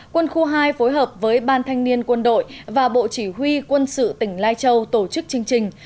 quân khu hai phối hợp với ban thanh niên quân đội và bộ chỉ huy quân sự tỉnh lai châu tổ chức chương trình